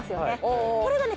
これがね